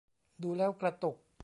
ดูแล้วกระตุก